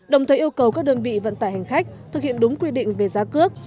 đồng thời yêu cầu các đơn vị vận tải hành khách thực hiện đúng quy định về giá cước